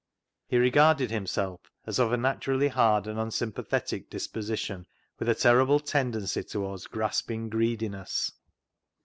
He regarded himself as of a naturally hard and unsympathetic disposition, with a terrible tend ency towards grasping greediness.